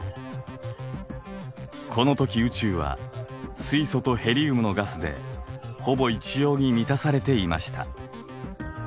このとき宇宙は水素とヘリウムのガスでほぼ一様に満たされていました。